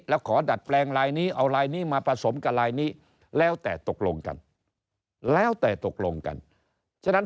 แล้วขอดัดแปลงลายนี้เอาลายนี้มาผสมกับลายนี้แล้วแต่ตกลงกัน